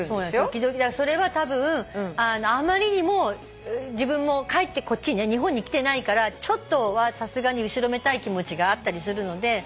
時々それはたぶんあまりにも自分もこっちに日本に来てないからちょっとはさすがに後ろめたい気持ちがあったりする。